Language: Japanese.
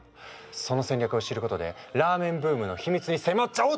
その戦略を知ることでラーメンブームの秘密に迫っちゃおう